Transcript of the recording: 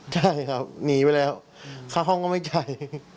ได้ครับหนีไปแล้วข้างห้องก็ไม่ใจ